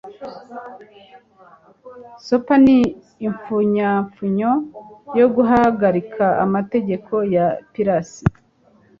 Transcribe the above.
sopa ni impfunyapfunyo yo guhagarika amategeko ya piracy